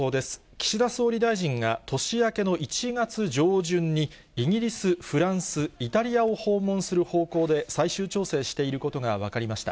岸田総理大臣が、年明けの１月上旬にイギリス、フランス、イタリアを訪問する方向で、最終調整していることが分かりました。